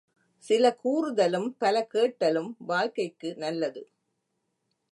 சில கூறுதலும் பல கேட்டலும் வாழ்க்கைக்கு நல்லது.